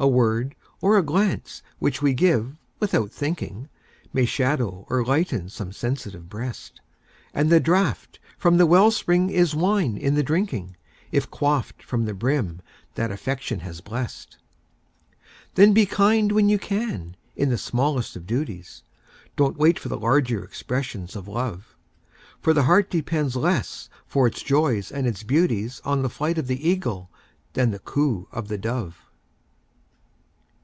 A word or a glance which we give "without thinking", May shadow or lighten some sensitive breast; And the draught from the well spring is wine in the drinking, If quaffed from the brim that Affection has blest. Then be kind when you can in the smallest of duties, Don't wait for the larger expressions of Love; For the heart depends less for its joys and its beauties On the flight of the Eagle than coo of the Dove.